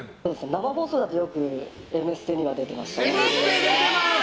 生放送だとよく「Ｍステ」には出てました。